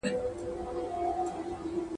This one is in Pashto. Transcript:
چي کور ودان، د ورور ودان.